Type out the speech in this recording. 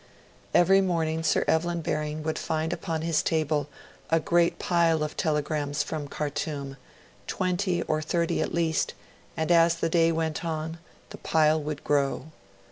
Every morning Sir Evelyn Baring would find upon his table a great pile of telegrams from Khartoum twenty or thirty at least; and as the day went on, the pile would grow.